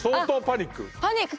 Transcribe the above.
パニック。